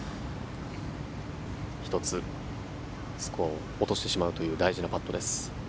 １つ、スコアを落としてしまうという大事なパットです。